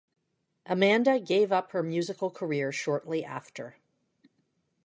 Amanda gave up her musical career shortly after.